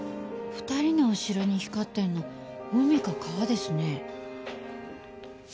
２人の後ろに光ってるの海か川ですね。